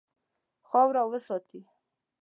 خاوره وساتئ.